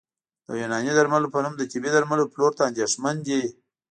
د یوناني درملو په نوم د طبي درملو پلور ته اندېښمن دي